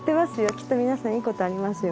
きっと皆さんいい事ありますよ。